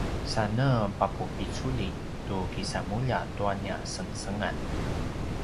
sane papupiculi tu kisamulja tua nia sengsengan